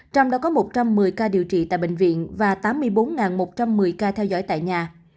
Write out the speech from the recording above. trong đó có một trăm một mươi ca điều trị tại bệnh viện và tám mươi bốn một trăm một mươi ca theo dõi tại nhà